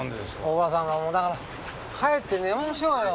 大洞さんだから帰って寝ましょうよ。